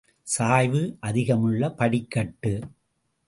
சாய்வு அதிகமுள்ள படிக்கட்டு.